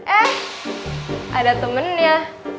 eh ada temennya